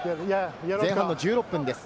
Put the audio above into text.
前半の１６分です。